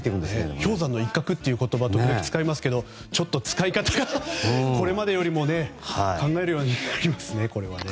氷山の一角という言葉を時々使いますがちょっと使い方がこれまでよりも考えるようになりますね。